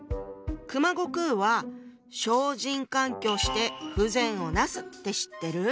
熊悟空は「小人閑居して不善をなす」って知ってる？